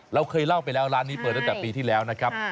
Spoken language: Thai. เราเคยเล่าไปแล้วร้านนี้เปิดตั้งแต่ปีที่แล้วนะครับ